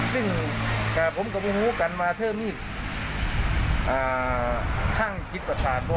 ซึ่งค่ะผมก็วิ่งฮู่กันว่าเธอมีทั้งดินประสาน